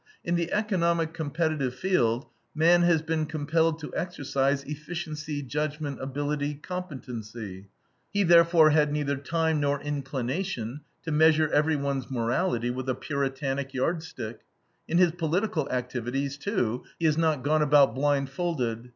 In the economic competitive field, man has been compelled to exercise efficiency, judgment, ability, competency. He therefore had neither time nor inclination to measure everyone's morality with a Puritanic yardstick. In his political activities, too, he has not gone about blindfolded.